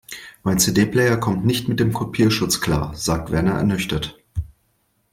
Mein CD-Player kommt nicht mit dem Kopierschutz klar, sagt Werner ernüchtert.